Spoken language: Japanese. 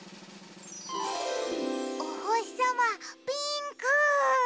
おほしさまピンク！